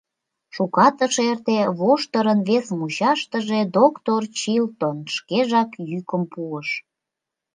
Шукат ыш эрте, воштырын вес мучаштыже доктыр Чилтон шкежак йӱкым пуыш.